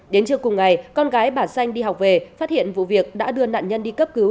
đến trưa cùng ngày con gái bà xanh đi học về phát hiện vụ việc đã đưa nạn nhân đi cấp cứu